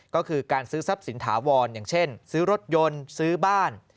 ก็คือการซื้อทรัพย์สินถาวรอย่างเช่นซื้อรถยนต์ซื้อบ้าน